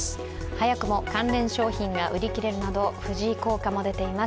早くも関連商品が売り切れるなど藤井効果も出ています。